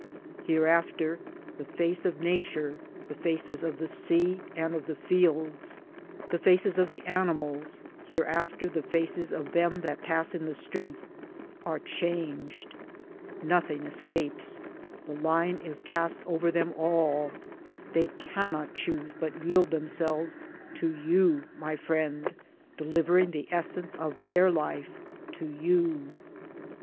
Hereafter the face of Nature, the faces of the sea and the fields, the faces of the animals — hereafter the faces of them that pass in the street — are changed. Nothing escapes, the line is cast over them all, they 38 Towards Democracy cannot choose but yield themselves — to you, my friend — delivering the essence of their life to you.